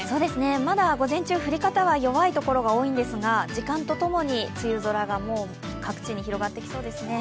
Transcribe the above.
まだ午前中、降り方は弱いところが多いんですが、時間とともに梅雨空が各地に広がってきそうですね。